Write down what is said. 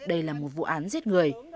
đây là một vụ án giết người